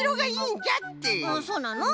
そうなの？